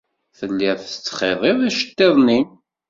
Tellid tettxiḍid iceḍḍiḍen-nnem.